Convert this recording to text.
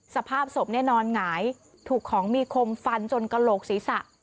สภาพศพเนี่ยนอนหงายถูกของมีคมฟันจนกระโหลกศีรษะ